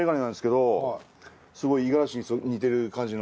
すごい五十嵐に似てる感じの。